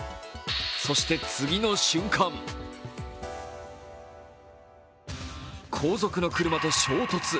そして次の瞬間、後続の車と衝突。